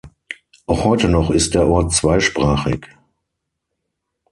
Auch heute noch ist der Ort zweisprachig.